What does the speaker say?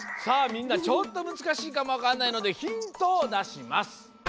みんなちょっとむずかしいかもわかんないのでヒントをだします。